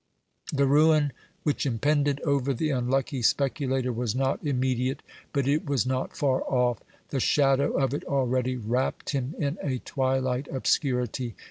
The ruin which impended over the unlucky speculator was not immediate, but it was not far off; the shadow of it already wrapped him in a twilight obscurity.